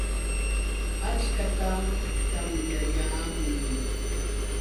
Achkatam tamyayaamun.